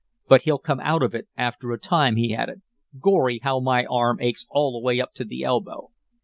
"But he'll come out of it after a time," he added. "Gorry! how my arm aches all the way up to the elbow."